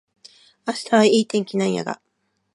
明日はいい天気なんやが